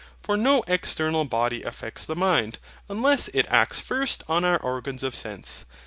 For no external body affects the mind, unless it acts first on our organs of sense.